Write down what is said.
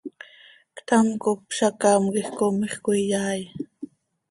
Ctam cop zacaam quij comiix cöiyaai.